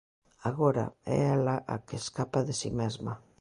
Agora, é ela a que escapa de si mesma.